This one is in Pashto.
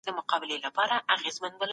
پیغمبر ص د عدل نمونه وه.